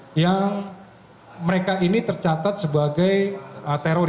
kemudian yang ketiga yang terakhir yang terakhir yang terakhir yang terakhir yang terakhir